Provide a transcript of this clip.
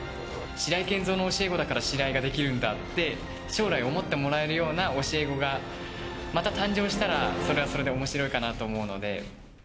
白井健三の教え子だから、シライができるんだって招来思ってもらえるような教え子が、また誕生したら、それはそれでおもしろいかなと思うので。